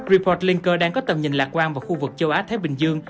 report linker đang có tầm nhìn lạc quan vào khu vực châu á thái bình dương